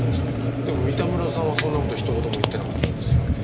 でも三田村さんはそんな事一言も言ってなかったんですよね。